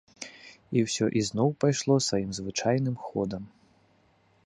І ўсё ізноў пайшло сваім звычайным ходам.